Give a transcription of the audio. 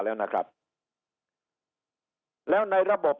แล้วในระบบนี้นะครับ